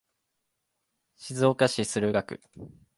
静岡市駿河区